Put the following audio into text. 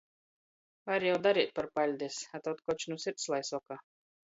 Var jau dareit par paļdis, a tod koč nu sirds lai soka.